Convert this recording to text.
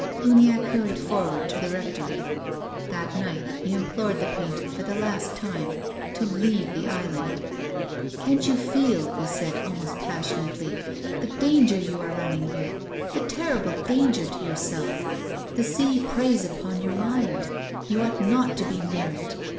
Uniacke hurried forward to the Rectory. That night he implored the painter for the last time to leave the island. " Can't you feel," he said, almost passionately, " the danger you are running here, the terrible danger to yourself? The sea preys upon your mind. You ought not to be near it.